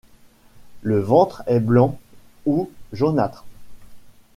Le ventre est blanc ou jaunâtre.